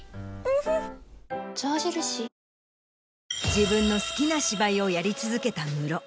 自分の好きな芝居をやり続けたムロ。